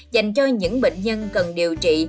dành cho những bệnh nhân cần điều trị